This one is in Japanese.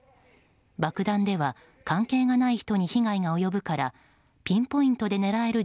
爆弾では関係がない人に被害が及ぶからピンポイントで狙える